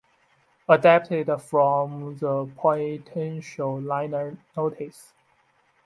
Adapted from the "Potential" liner notes.